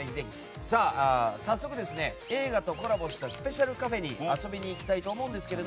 早速、映画とコラボしたスペシャルカフェに遊びに行きたいと思います。